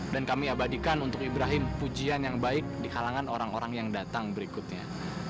dan kami abadikan untuk ibrahim pujian yang baik di kalangan orang orang yang datang berikutnya